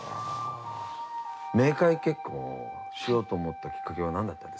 冥界結婚をしようと思ったきっかけは何だったんですか？